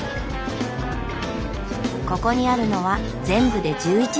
ここにあるのは全部で１１台。